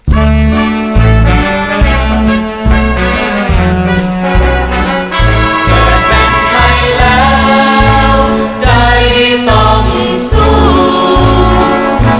เกิดเป็นใครแล้วใจต้องสู้